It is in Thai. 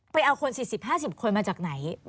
ไปเอาคน๔๐๕๐คนมาจากไหน